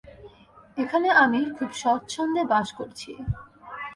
এখানে আমি খুব স্বচ্ছন্দে বাস করছি।